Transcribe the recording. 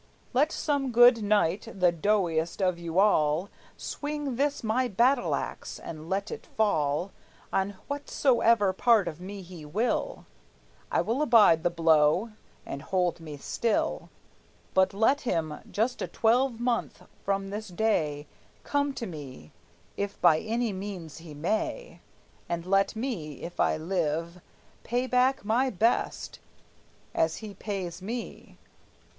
Let some good knight, the doughtiest of you all, Swing this my battle axe, and let it fall On whatsoever part of me he will; I will abide the blow, and hold me still; But let him, just a twelvemonth from this day, Come to me, if by any means he may, And let me, if I live, pay back my best, As he pays me.